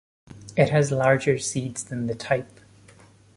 It has larger seeds than the type.